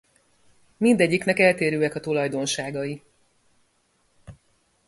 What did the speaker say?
Mindegyiknek eltérőek a tulajdonságai.